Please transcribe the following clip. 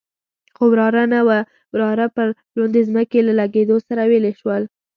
خو واوره نه وه، واوره پر لوندې ځمکې له لګېدو سره ویلې شول.